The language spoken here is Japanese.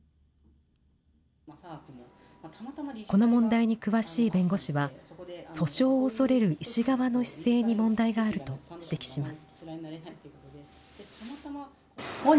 この問題に詳しい弁護士は、訴訟を恐れる医師側の姿勢に問題があると指摘します。